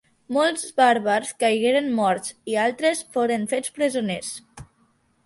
Molts bàrbars caigueren morts i altres foren fets presoners.